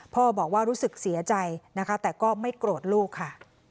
พ่อบอกว่ารู้สึกเสียใจนะคะแต่ก็ไม่โกรธลูกค่ะ